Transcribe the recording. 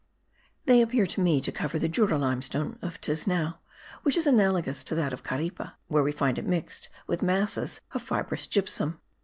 They appeared to me to cover the Jura limestone of Tisnao, which is analogous to that of Caripe, where we find it mixed with masses of fibrous gypsum.